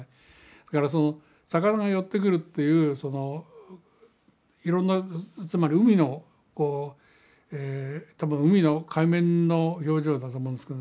ですからその魚が寄ってくるというそのいろんなつまり海のこう多分海の海面の表情だと思うんですけどね